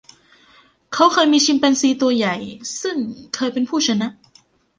เขาเคยมีชิมแปนซีตัวใหญ่ซึ่งเคยเป็นผู้ชนะ